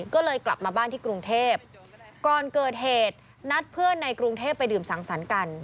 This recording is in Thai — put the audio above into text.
ก็เลยกลับมาบ้านที่กรุงเทพก่อนเกิดเหตุนัดเพื่อนในกรุงเทพไปดื่มสังสรรค์กัน